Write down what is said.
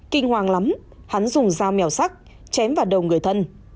kinh hoàng lắm hắn dùng dao mèo sắc chém vào đầu người thân